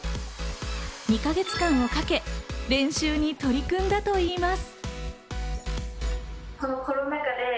２か月間をかけ練習に取り組んだといいます。